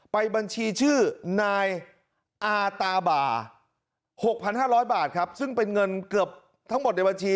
ไปบัญชีชื่อนายอาตาบ่า๖๕๐๐บาทครับซึ่งเป็นเงินเกือบทั้งหมดในบัญชี